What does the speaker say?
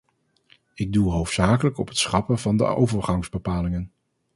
Ik doel hoofdzakelijk op het schrappen van de overgangsbepalingen.